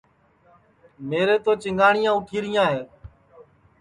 میرے تِو چِنگاٹِؔیاں اُوٹھِیرِیاں ہے